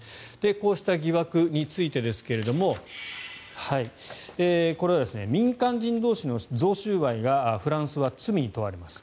こうした疑惑についてですがこれは民間人同士の贈収賄がフランスは罪に問われます。